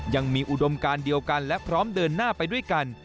อุดมการเดียวกันและพร้อมเดินหน้าไปด้วยกัน